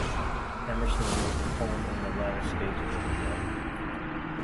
Emerson wrote the poem in the latter stages of his life.